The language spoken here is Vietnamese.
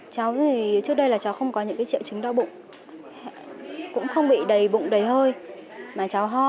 trước đây cháu không có những triệu chứng đau bụng cũng không bị đầy bụng đầy hơi mà cháu ho